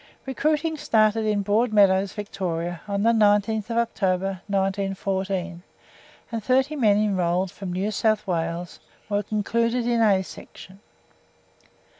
Recruiting started in Broadmeadows, Victoria, on the 19th October, 1914, and thirty men enrolled from New South Wales were included in A Section.